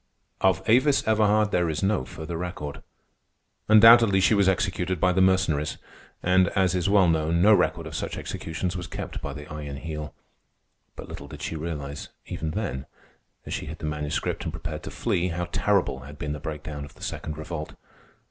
Of Avis Everhard there is no further record. Undoubtedly she was executed by the Mercenaries; and, as is well known, no record of such executions was kept by the Iron Heel. But little did she realize, even then, as she hid the Manuscript and prepared to flee, how terrible had been the breakdown of the Second Revolt.